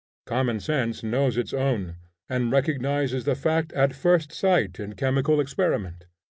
Common sense knows its own, and recognizes the fact at first sight in chemical experiment.